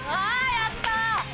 やった！